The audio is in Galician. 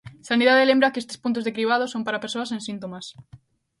Sanidade lembra que estes puntos de cribado son para persoas sen síntomas.